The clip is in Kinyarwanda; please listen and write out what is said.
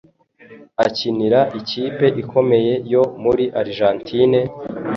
akinira ikipe ikomeye yo muri Argentine,